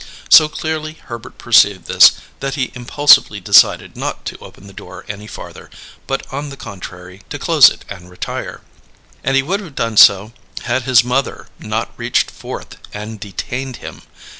So clearly Herbert perceived this, that he impulsively decided not to open the door any farther, but on the contrary to close it and retire; and he would have done so, had his mother not reached forth and detained him.